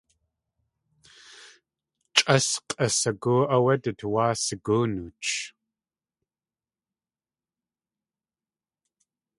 Chʼas k̲ʼasagóo áwé du tuwáa sagóo nooch.